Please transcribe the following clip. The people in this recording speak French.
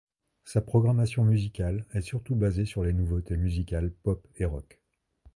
Sa programmation musicale est surtout basée sur les nouveautés musicales pop et rock.